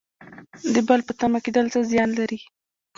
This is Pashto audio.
د بل په تمه کیدل څه زیان لري؟